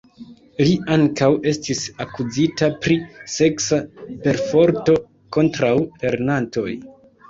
Li ankaŭ estis akuzita pri seksa perforto kontraŭ lernantoj.